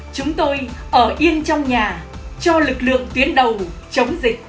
chúng tôi ở yên trong nhà cho lực lượng tuyến đầu chống dịch